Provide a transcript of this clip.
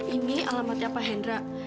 ini alamatnya pak hendra